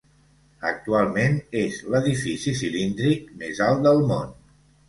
Actualment és l'edifici cilíndric més alt del món.